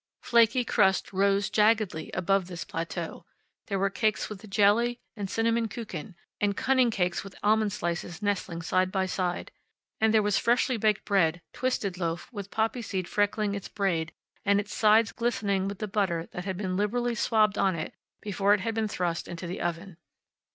Flaky crust rose, jaggedly, above this plateau. There were cakes with jelly, and cinnamon kuchen, and cunning cakes with almond slices nestling side by side. And there was freshly baked bread twisted loaf, with poppy seed freckling its braid, and its sides glistening with the butter that had been liberally swabbed on it before it had been thrust into the oven.